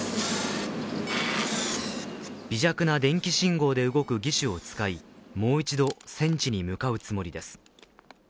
微弱な電気信号で動く義手を使い、もう一度、戦地に向かうつもりです